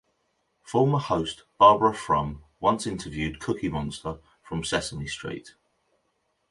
Former host Barbara Frum once interviewed Cookie Monster from "Sesame Street".